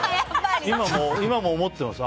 今も思ってます。